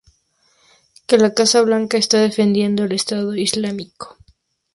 Que la Casa Blanca está defendiendo el Estado Islámico"".